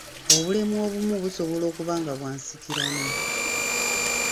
Obulemu obumu busobola okuba nga bwa nsikirano.